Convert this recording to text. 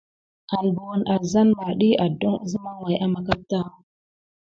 An buwune azzane ɓà, ɗiy adoŋ əzem way ama kapta.